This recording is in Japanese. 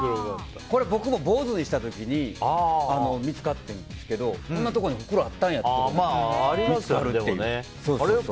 これ、僕も坊主にした時に見つかったんですけどこんなところにほくろあったんやって。